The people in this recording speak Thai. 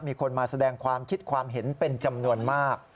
มีคนมาแสดงความคิดความเห็นเป็นจำนวนมาก